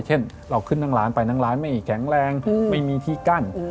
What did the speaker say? เช่นเราขึ้นร้านไปร้านมีแกงแรงไม่มีที่กั้น